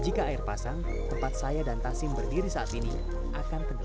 jika air pasang tempat saya dan tasim berdiri saat ini akan tenggelam